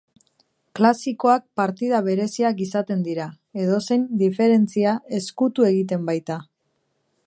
Klasikoak partida bereziak izaten dira, edozein diferentzia estutu egiten baita.